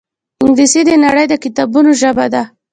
انګلیسي د نړۍ د کتابونو ژبه ده